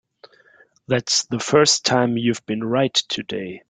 That's the first time you've been right today.